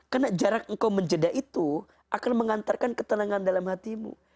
karena jarak engkau menjeda itu akan mengantarkan ketenangan dalam hatimu